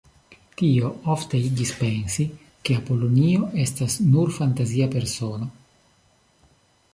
Tio ofte igis pensi, ke Apolonio estas nur fantazia persono.